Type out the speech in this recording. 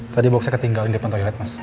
tadi bau saya ketinggalin di pantai lilet mas